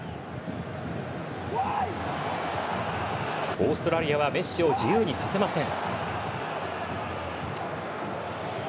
オーストラリアはメッシを自由にさせません。